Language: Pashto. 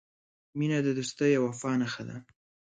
• مینه د دوستۍ او وفا نښه ده.